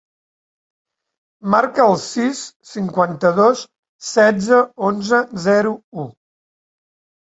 Marca el sis, cinquanta-dos, setze, onze, zero, u.